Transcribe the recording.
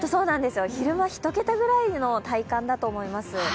昼間１桁ぐらいの体感だと思います。